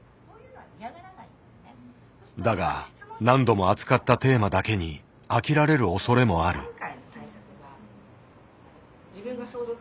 だが何度も扱ったテーマだけに飽きられるおそれもある。